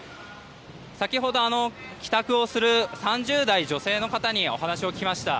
先ほど帰宅をする３０代女性の方にお話を聞きました。